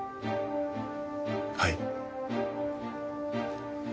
はい。